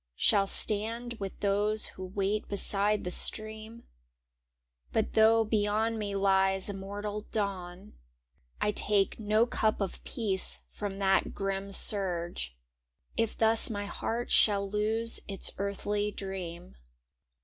Shall stand with those who wait be side the stream; But though beyond me lies immortal dawn, I take no cup of peace from that grim surge If thus my heart shall lose its earthly dream.